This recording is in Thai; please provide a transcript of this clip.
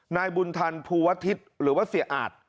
นายบุญธันภูวธิษฐ์หรือว่าเสียอาจ